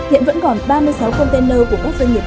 hà lan vẫn còn ba mươi sáu container của các doanh nghiệp